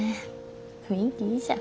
雰囲気いいじゃん。